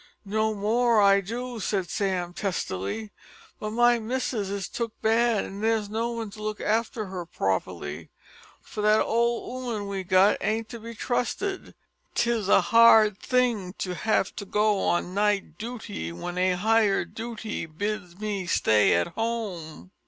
"No more I do," said Sam testily, "but my missus is took bad, and there's no one to look after her properly for that old 'ooman we got ain't to be trusted. 'Tis a hard thing to have to go on night dooty when a higher dooty bids me stay at home."